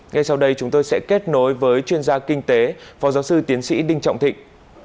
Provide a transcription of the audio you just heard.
ngay sau đây chúng tôi sẽ kết nối với chuyên gia kinh tế phó giáo sư tiến sĩ đinh trọng thịnh